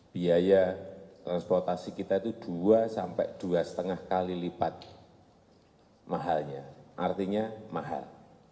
biaya transportasi kita itu dua sampai dua lima kali lipat mahalnya artinya mahal